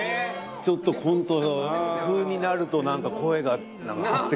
ちょっとコント風になるとなんか声が張ってくる辺りとか。